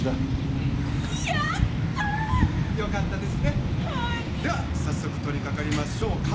では早速取り掛かりましょう。